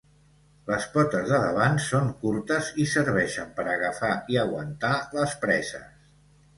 Les potes de davant són curtes i serveixen per agafar i aguantar les preses.